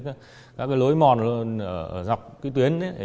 các cái lối mòn ở dọc cái tuyến ấy